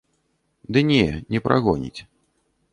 Ды не, не прагоніць.